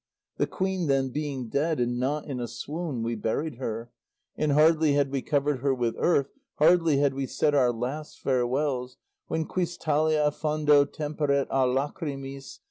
The queen, then, being dead, and not in a swoon, we buried her; and hardly had we covered her with earth, hardly had we said our last farewells, when, quis talia fando temperet a lachrymis?